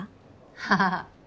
ああ。